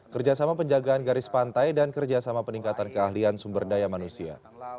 kerjasama penjagaan garis pantai dan kerjasama peningkatan keahlian sumber daya manusia